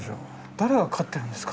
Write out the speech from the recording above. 誰が飼ってるんですか？